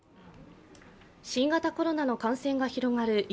新型コロナの感染が広がる